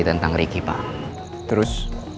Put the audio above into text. tentang ricky pa terus